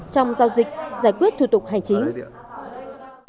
trong giao dịch giải quyết thủ tục hành chính